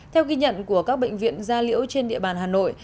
theo ghi nhận của các bệnh viện gia liễu trên địa bàn hà nội